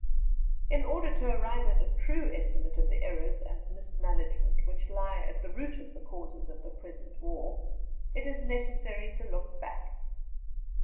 In order to arrive at a true estimate of the errors and mismanagement which lie at the root of the causes of the present war, it is necessary to look back.